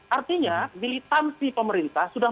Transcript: artinya militansi pemerintah sudah